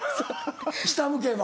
下向けば。